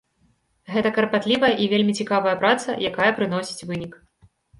Гэта карпатлівая і вельмі цікавая праца, якая прыносіць вынік.